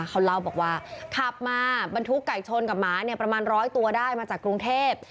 เขาเล่าบอกว่าขับมาบรรทุกไก่ชนกับหมาเนี่ยประมาณร้อยตัวได้มาจากกรุงเทพ